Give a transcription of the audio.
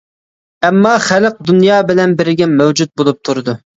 ئەمما، خەلق دۇنيا بىلەن بىرگە مەۋجۇت بولۇپ تۇرىدۇ.